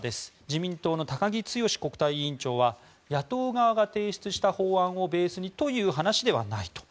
自民党の高木毅国対委員長は野党側が提出した法案をベースにという話ではないと。